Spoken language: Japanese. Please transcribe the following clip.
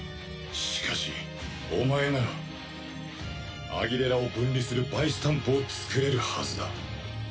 しかしお前ならアギレラを分離するバイスタンプを作れるはずだ。